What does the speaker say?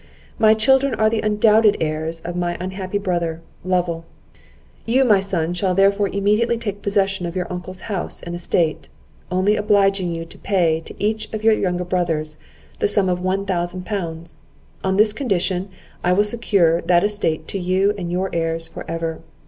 My children are the undoubted heirs of my unhappy brother, Lovel; you, my son, shall therefore immediately take possession of your uncle's house and estate, only obliging you to pay to each of your younger brothers, the sum of one thousand pounds; on this condition, I will secure that estate to you and your heirs for ever.